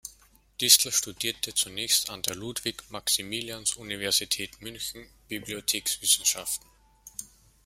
Distel studierte zunächst an der Ludwig-Maximilians-Universität München Bibliothekswissenschaften.